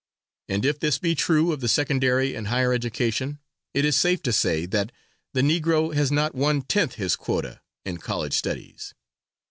And if this be true of the secondary and higher education, it is safe to say that the Negro has not one tenth his quota in college studies.